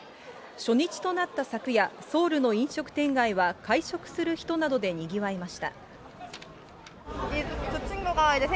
初日となった昨夜、ソウルの飲食店街は会食する人などでにぎわいました。